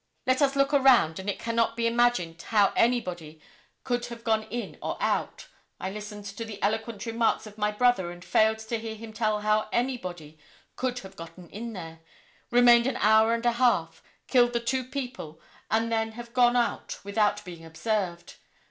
Let us look around and it cannot be imagined how anybody could have got in or out. I listened to the eloquent remarks of my brother and failed to hear him tell how anybody could have got in there, remained an hour and a half, killed the two people and then have gone out without being observed.